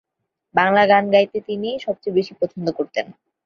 বাংলা গান গাইতে তিনি সবচেয়ে বেশি পছন্দ করতেন।